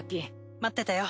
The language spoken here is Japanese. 待ってたよ。